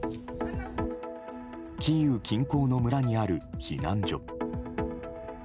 キーウ近郊の村にある避難所。